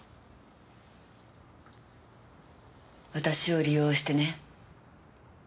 私を利用してね。